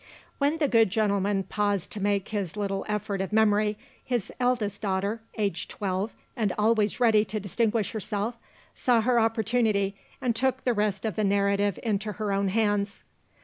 When the good gentleman paused to make his little effort of memory, his eldest daughter aged twelve, and always ready to distinguish herself saw her opportunity, and took the rest of the narrative into her own hands.